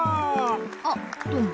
あっどうも。